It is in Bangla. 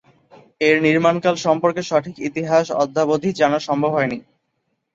এর নির্মাণকাল সম্পর্কে সঠিক ইতিহাস অদ্যাবধি জানা সম্ভব হয়নি।